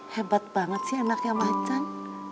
hebat banget sih enaknya macan